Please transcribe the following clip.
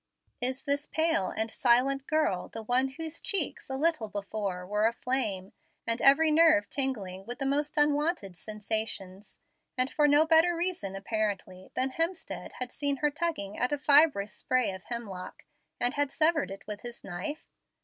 Is this pale and silent girl the one whose cheeks, a little before, were aflame, and every nerve tingling with the most unwonted sensations, and for no better reason apparently than that Hemstead had seen her tugging at a fibrous spray of hemlock, and had severed it with his knife?